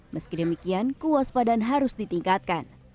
meskidemikian kewaspadaan harus ditingkatkan